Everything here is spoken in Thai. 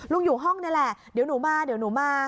อยู่ห้องนี่แหละเดี๋ยวหนูมาเดี๋ยวหนูมา